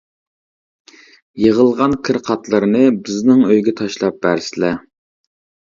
يىغىلغان كىر-قاتلىرىنى بىزنىڭ ئۆيگە تاشلاپ بەرسىلە!